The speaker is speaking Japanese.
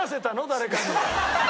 誰かに。